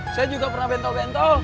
saya juga pernah bentol bentol